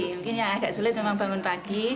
mungkin yang agak sulit memang bangun pagi